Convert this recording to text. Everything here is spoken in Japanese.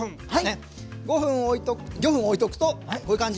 ５分ギョ分おいとくとこういう感じ。